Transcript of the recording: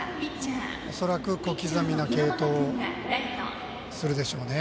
恐らく小刻みな継投をするでしょうね。